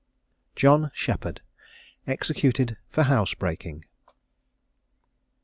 JOHN SHEPPARD. EXECUTED FOR HOUSE BREAKING.